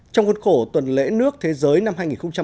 trong khuôn khổ tuần lễ nước thế giới năm hai nghìn một mươi tám